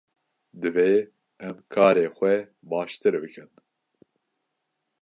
Divê em karê xwe baştir bikin.